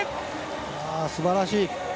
すばらしい！